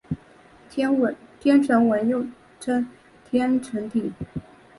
天城文又称天城体。